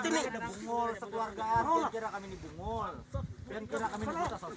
tapi tidak tahu bukan covid ini